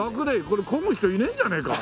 これこぐ人いねえんじゃねえか？